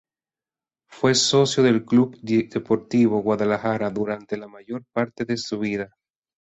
Fue socio del Club Deportivo Guadalajara durante la mayor parte de su vida.